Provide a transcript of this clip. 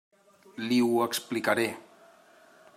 Li ho explicaré.